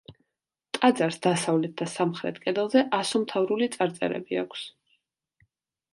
ტაძარს დასავლეთ და სამხრეთ კედელზე ასომთავრული წარწერები აქვს.